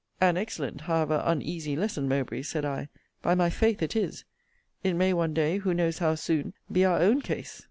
An excellent, however uneasy lesson, Mowbray! said I. By my faith it is! It may one day, who knows how soon? be our own case!